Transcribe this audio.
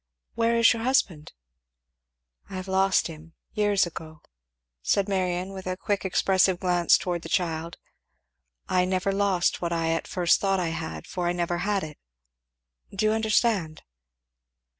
Where is your husband?" "I have lost him years ago " said Marion with a quick expressive glance towards the child. "I never lost what I at first thought I had, for I never had it. Do you understand?"